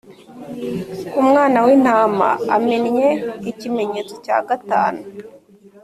Umwana w’Intama amennye ikimenyetso cya gatanu,